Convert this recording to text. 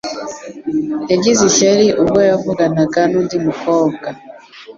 Yagize ishyari ubwo yavuganaga nundi mukobwa.